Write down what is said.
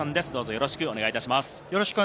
よろしくお願いします。